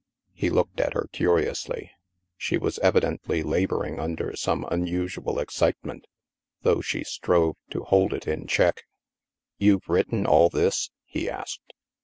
He looked at her curiously. She was evidently laboring under some unusual excitement, though she strove to hold it in check. " You've written all this? " he asked.